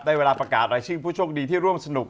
เวลาประกาศรายชื่อผู้โชคดีที่ร่วมสนุก